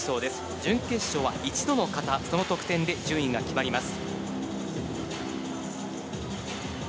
準決勝は１度の形、その得点で順位が決まります。